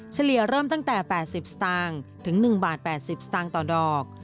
เฉลี่ยเริ่มตั้งแต่๘๐สตางค์ถึง๑บาท๘๐สตางค์ต่อดอก